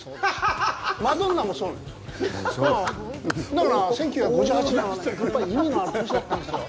だから１９５８年はね、やっぱり意味のある年だったんですよ。